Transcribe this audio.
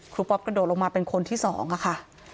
ป๊อปกระโดดลงมาเป็นคนที่๒ค่ะ